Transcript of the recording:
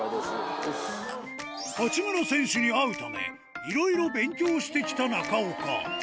八村選手に会うため、いろいろ勉強してきた中岡。